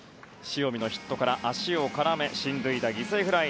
塩見のヒットから足を絡め進塁打、犠牲フライ。